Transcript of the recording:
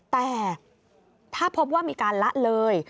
แต่ถ้าพบว่ามีการละเลย